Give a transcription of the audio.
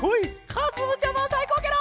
かずむちゃまさいこうケロ！